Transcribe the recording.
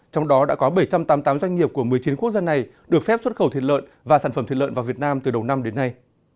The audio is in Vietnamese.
trong đó đã có bảy trăm tám mươi tám doanh nghiệp của một mươi chín quốc gia này được phép xuất khẩu thịt lợn và sản phẩm thịt lợn vào việt nam từ đầu năm đến nay